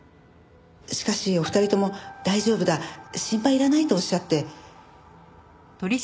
しかしお二人とも大丈夫だ心配いらないとおっしゃって。